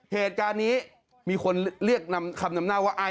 เหตุการณ์นี้มีคนเรียกคำนำหน้าว่าไอ้